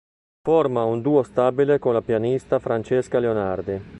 Forma un duo stabile con la pianista Francesca Leonardi.